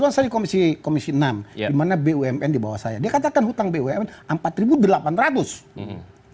hai komisi komisi namya mana bumn di bawah saya kita kan hutang bumn empat ribu delapan ratus yani bro ini apa yang bingung